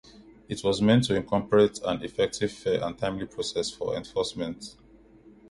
It was meant to incorporate an effective, fair and timely process for enforcement.